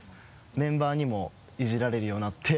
メンバーにもいじられるようになって。